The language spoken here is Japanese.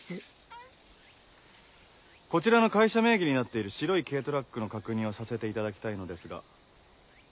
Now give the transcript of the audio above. こちらの会社名義になっている白い軽トラックの確認をさせていただきたいのですが。